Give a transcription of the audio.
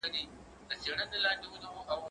زه کولای سم مکتب ته لاړ شم،